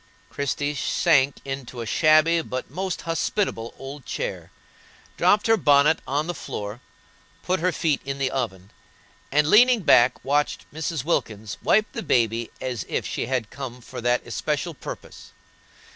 Christie sank into a shabby but most hospitable old chair, dropped her bonnet on the floor, put her feet in the oven, and, leaning back, watched Mrs. Wilkins wipe the baby as if she had come for that especial purpose.